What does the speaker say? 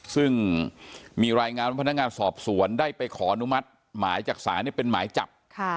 ซึ่งมีรายงานว่าพนักงานสอบสวนได้ไปขออนุมัติหมายจากศาลเป็นหมายจับ